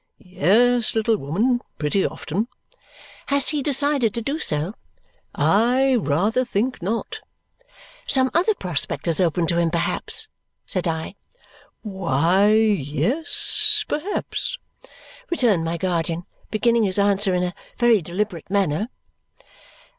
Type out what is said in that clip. "Yes, little woman, pretty often." "Has he decided to do so?" "I rather think not." "Some other prospect has opened to him, perhaps?" said I. "Why yes perhaps," returned my guardian, beginning his answer in a very deliberate manner.